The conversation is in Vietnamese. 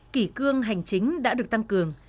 kỷ cương hành chính đã được tăng cường